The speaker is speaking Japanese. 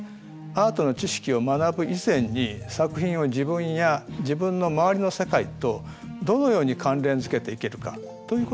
アートの知識を学ぶ以前に作品を自分や自分の周りの世界とどのように関連づけていけるかということが大切なんです。